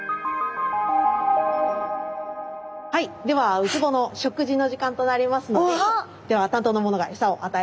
はいではウツボの食事の時間となりますのででは担当の者がエサをあたえていきます。